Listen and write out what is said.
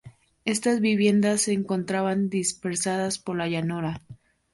Estas viviendas se encontraban dispersadas por la llanura.